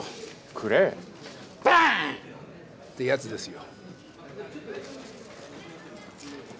クレー？バーン！ってやつですよ。